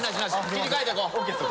切り替えていこう！